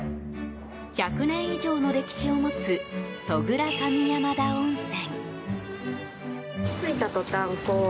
１００年以上の歴史を持つ戸倉上山田温泉。